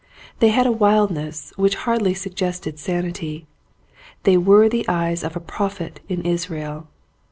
They had a wildness which hardly sug gested sanity. They were the eyes of a prophet in Israel.